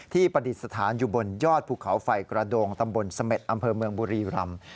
ประดิษฐานอยู่บนยอดภูเขาไฟกระโดงตำบลเสม็ดอำเภอเมืองบุรีรำ